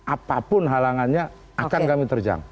apapun halangannya akan kami terjang